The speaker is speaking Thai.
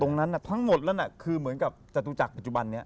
ทั้งหมดนั้นคือเหมือนกับจตุจักรปัจจุบันนี้